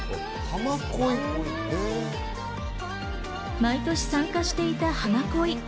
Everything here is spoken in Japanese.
毎年参加していたハマこい。